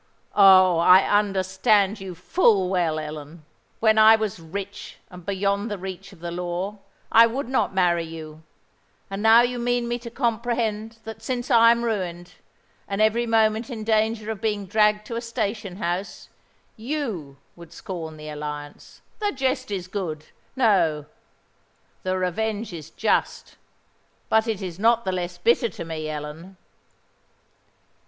Oh! I understand you full well, Ellen! When I was rich and beyond the reach of the law, I would not marry you;—and now you mean me to comprehend that since I am ruined, and every moment in danger of being dragged to a station house, you would scorn the alliance! The jest is good:—no—the revenge is just! But it is not the less bitter to me, Ellen!"